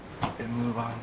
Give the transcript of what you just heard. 「Ｍ１」！